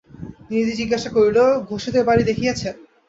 নিধি জিজ্ঞাসা করিল, ঘোষেদের বাড়ি দেখিয়াছেন?